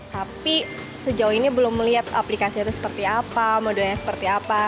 tapi sejauh ini belum melihat aplikasi itu seperti apa modulnya seperti apa